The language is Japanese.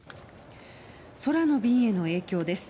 空の便への影響です。